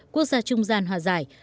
quốc gia trung gian hòa giải